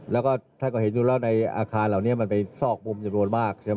แล้วก็ท่านก็เห็นอยู่แล้วในอาคารเหล่านี้มันเป็นซอกมุมจำนวนมากใช่ไหม